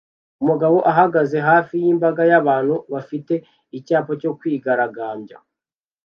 Umugabo ahagaze hafi y'imbaga y'abantu bafite icyapa cyo kwigaragambya